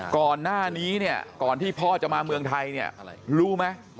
ก่อนหน้านี้เนี่ยก่อนที่พ่อจะมาเมืองไทยเนี่ยรู้ไหม